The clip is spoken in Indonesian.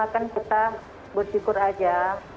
kita bersyukur aja